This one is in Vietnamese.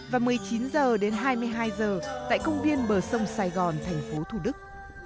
và một mươi chín h đến hai mươi hai giờ tại công viên bờ sông sài gòn thành phố thủ đức